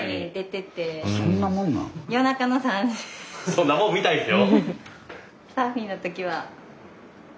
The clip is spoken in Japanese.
そんなもんみたいですよ。